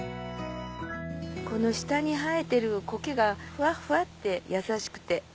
この下に生えてるコケがフワッフワッて優しくて。